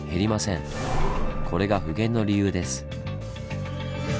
これが「不減」の理由です。